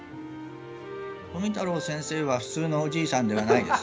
富太郎先生は普通のおじいさんではないです。